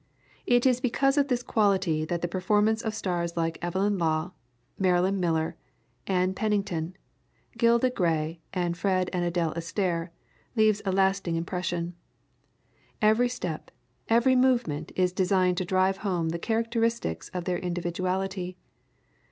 It is because of this quality that the performance of stars like Evelyn Law, Marilyn Miller, Ann Pennington, Gilda Gray and Fred and Adele Astaire leaves a lasting impression. Every step, every movement is designed to drive home the characteristics of their individuality.